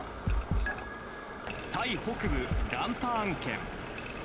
タイ北部、ランパーン県。